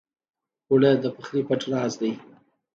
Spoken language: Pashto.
اوړه د پخلي پټ راز دی